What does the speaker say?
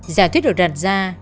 giải thuyết được đặt ra